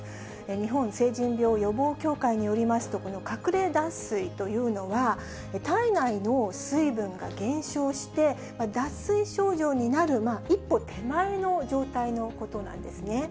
日本成人病予防協会によりますと、この隠れ脱水というのは、体内の水分が減少して、脱水症状になる一歩手前の状態のことなんですね。